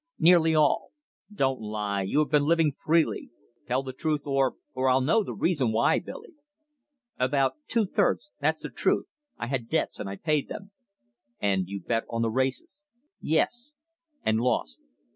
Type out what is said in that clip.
"Nearly all." "Don't lie. You've been living freely. Tell the truth, or or I'll know the reason why, Billy." "About two thirds that's the truth. I had debts, and I paid them." "And you bet on the races?" "Yes." "And lost?"